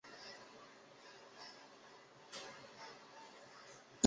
紫萼石头花为石竹科石头花属的植物。